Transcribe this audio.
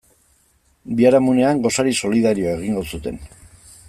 Biharamunean gosari solidarioa egingo zuten.